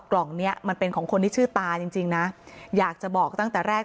กล่องเนี้ยมันเป็นของคนที่ชื่อตาจริงจริงนะอยากจะบอกตั้งแต่แรก